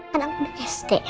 kan aku udah sd